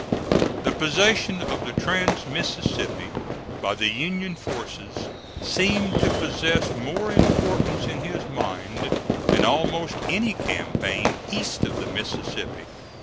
The possession of the trans Mississippi by the Union forces seemed to possess more importance in his mind than almost any campaign east of the Mississippi.